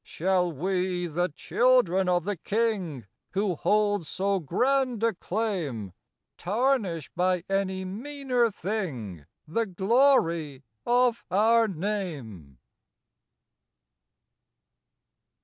Shall we, the children of the King Who hold so grand a claim, Tarnish by any meaner thing The glory of our name